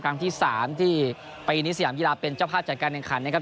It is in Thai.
ครั้งที่๓ที่ปีนี้สยามกีฬาเป็นเจ้าภาพจัดการแข่งขันนะครับ